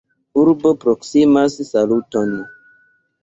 Urbo proksimas Saluton!